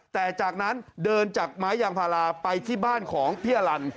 แต่จากนั้นเดินจากไม้ยางพาราไปที่บ้านของพี่อลัน